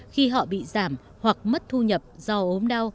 khi họ bị giảm hoặc mất thu nhập do ốm đau